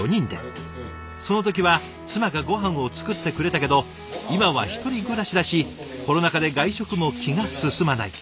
その時は妻がごはんを作ってくれたけど今は１人暮らしだしコロナ禍で外食も気が進まない。